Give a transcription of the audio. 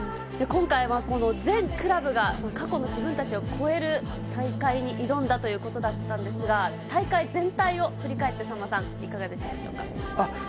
今回は全クラブが過去の自分たちを超える大会に挑んだということだったんですが、大会全体を振り返って、さんまさん、いかがですか？